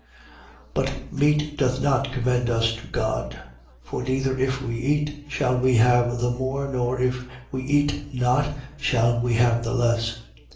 8:8. But meat doth not commend us to God. For neither, if we eat, shall we have the more: nor, if we eat not, shall we have the less.